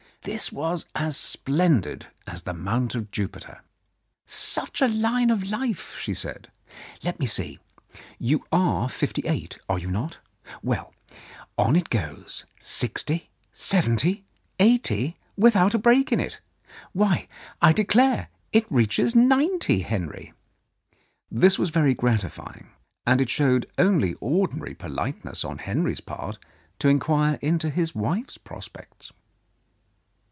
This was as splendid as the Mount of Jupiter. "Such a line of life! " she said. "Let me see, *73 Mrs. Andrews's Control you are fifty eight, are you not? Well, on it goes — sixty, seventy, eighty, without a break in it. Why, I declare it reaches ninety, Henry !" This was very gratifying, and it showed only ordinary politeness on Henry's part to inquire into his wife's prospects.